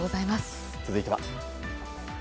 続いては。